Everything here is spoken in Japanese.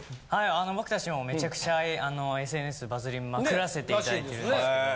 あの僕達もめちゃくちゃＳＮＳバズりまくらせて頂いてるんですけれども。